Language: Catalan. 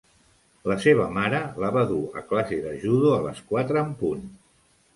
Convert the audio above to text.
La seva mare la va dur a classe de judo a les quatre en punt.